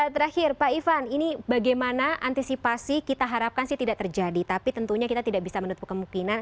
terakhir pak ivan ini bagaimana antisipasi kita harapkan sih tidak terjadi tapi tentunya kita tidak bisa menutup kemungkinan